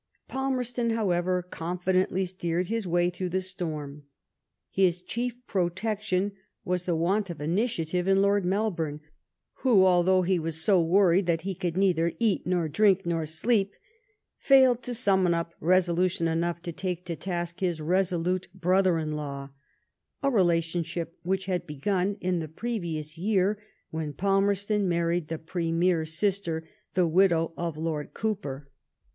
Palraerston, however, confidently steered his way through the storm. His chief protection was the want of initiative in Lord Melbourne, who, although he was so worried that he could neither '' eat, nor drink, nor sleep/' failed to summon up resolution enough to take^ to task his resolute brother in law — a relationship which had begun in the previous year when Palmerston mar ried the Premier's sister, the widow of Lord Cowper.